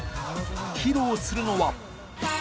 披露するのは。